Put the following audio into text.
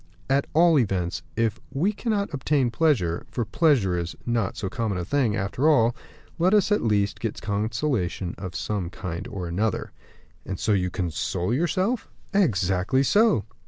"At all events, if we cannot obtain pleasure for pleasure is not so common a thing, after all let us, at least, get consolations of some kind or another." "And so you console yourself?" "Exactly so."